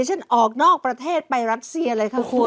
ฉันออกนอกประเทศไปรัสเซียเลยค่ะคุณ